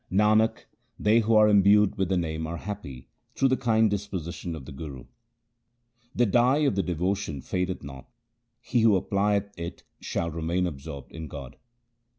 Nanak, they who are imbued with the Name are happy through the kind disposition of the Guru. The dye of devotion fadeth not ; he who applieth it shall remain absorbed in God.